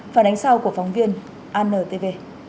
phản ánh sau của phóng viên ann tv